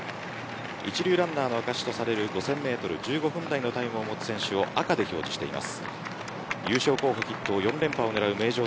一流ランナーの証しとされる５０００メートル１５分台のタイムを持つ選手を赤で表示しています。